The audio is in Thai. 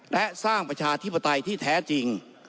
และสร้างประชาธิปไตยที่แท้จริง